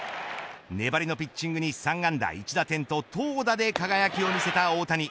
粘りのピッチングに３安打１打点と投打で輝きを見せた大谷。